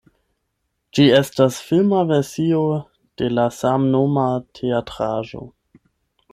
Ĝi estas filma versio de la samnoma teatraĵo.